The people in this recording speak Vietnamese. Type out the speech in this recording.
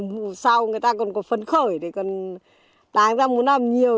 mùa sau người ta còn có phấn khởi để còn đáng ra muốn làm nhiều